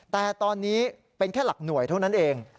แต่ตอนนี้เป็นแค่หลักหน่วยเท่านั้นเอง